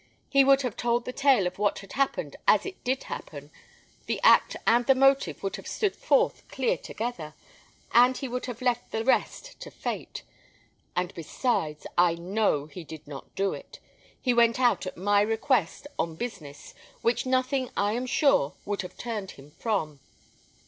He would have told the tale of what had happened as it did happen; the act and the motive would have stood forth clear together, and he would have left the rest to fate. But besides, I know he did not do it. He went out at my request, on business, which nothing, I am sure, would have turned him from.